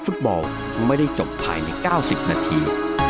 ฟุตบอลไม่ได้จบภายในเก้าสิบนาที